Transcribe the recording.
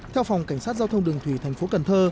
theo phòng cảnh sát giao thông đường thủy tp cn